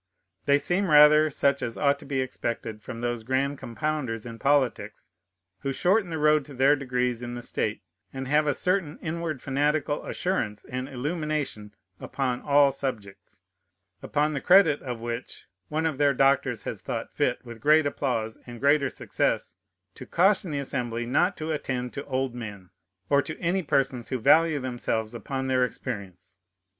They seem rather such as ought to be expected from those grand compounders in politics who shorten the road to their degrees in the state, and have a certain inward fanatical assurance and illumination upon all subjects, upon the credit of which, one of their doctors has thought fit, with great applause, and greater success, to caution the Assembly not to attend to old men, or to any persons who value themselves upon their experience.